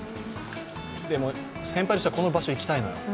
でも先輩としては、この場所に行きたいのよ。